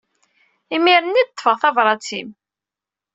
Imir-nni i d-ṭṭfeɣ tabrat-im.